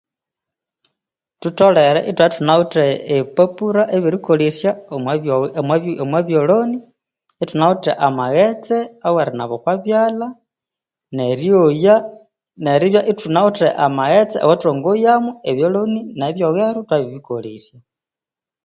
Thutholere ithwabya ithunawithe ebipapura ebyerikolesya omwa byowe omwa byoloni, ithunawithe amaghetse aweri naba okwa byalha, neryoya, neribya ithuna withe amaghetse away thongoyamu abyoloni, nebyoghero ithwabiribikolesya.